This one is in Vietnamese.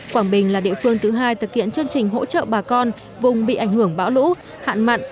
quảng bình là địa phương thứ hai thực hiện chương trình hỗ trợ bà con vùng bị ảnh hưởng bão lũ hạn mặn